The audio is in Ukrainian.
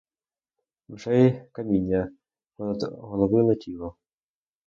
Вже й каміння понад голови летіло.